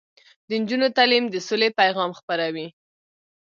د نجونو تعلیم د سولې پیغام خپروي.